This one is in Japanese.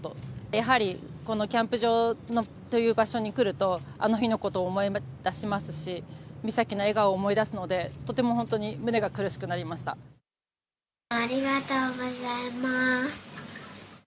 やはり、このキャンプ場という場所に来ると、あの日のことを思い出しますし、美咲の笑顔を思い出すので、とても本当に胸が苦しくなりましありがとうございまーす。